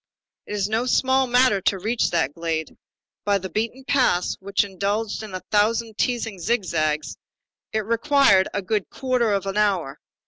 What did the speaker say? It was no small matter to reach that glade. By the beaten paths, which indulge in a thousand teasing zigzags, it required a good quarter of an hour.